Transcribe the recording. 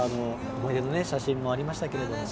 思い出の写真もありましたけれども。